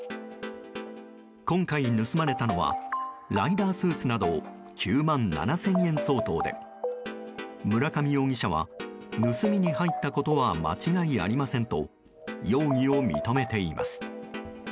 今回盗まれたのはライダースーツなど９万７０００円相当で村上容疑者は盗みに入ったことは間違いありませんと容疑を認めています。